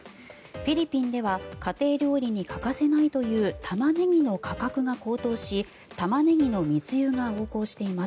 フィリピンでは家庭料理に欠かせないというタマネギの価格が高騰しタマネギの密輸が横行しています。